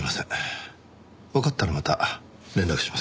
わかったらまた連絡します。